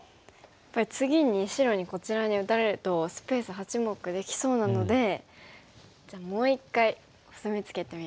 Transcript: やっぱり次に白にこちらに打たれるとスペース８目できそうなのでじゃあもう一回コスミツケてみます。